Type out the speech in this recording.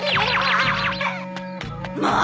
もう！